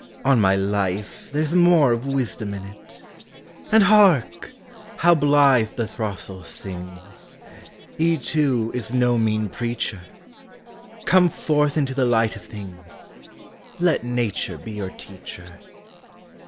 on my life, There 's more of wisdom in it ! And hark ! how blithe the throstle sings ! He, too, is no mean preacher; Come forth into the light of things — Let Nature be your teacher.